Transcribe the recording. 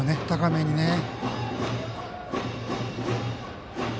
高めにね。